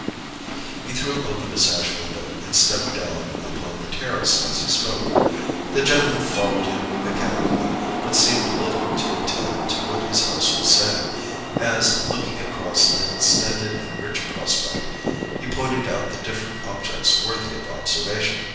He threw open a sash window, and stepped down upon the terrace as he spoke. The general followed him mechanically, but seemed little to attend to what his host was saying, as, looking across an extended and rich prospect, he pointed out the different objects worthy of observation.